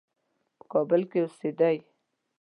په کابل کې اوسېدی.